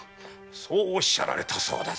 そうおっしゃられたそうだぞ。